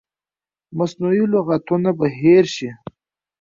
مصنوعي لغتونه به هیر شي.